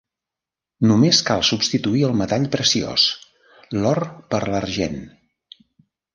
Només cal substituir el metall preciós: l'or per l'argent.